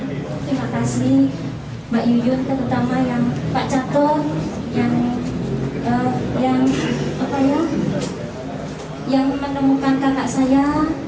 terima kasih mbak yuyun terutama yang pak catol yang menemukan kakak saya